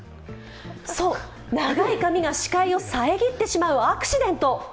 そう、長い髪が視界を遮ってしまうアクシデント。